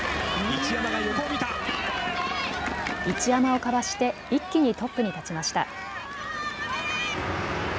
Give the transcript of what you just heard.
一山をかわして一気にトップに立ちました。